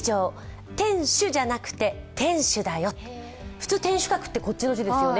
普通、天守閣って、こっちの字ですよね。